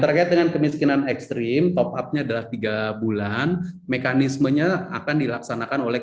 terkait dengan kemiskinan ekstrim top up nya adalah tiga bulan mekanismenya akan dilaksanakan oleh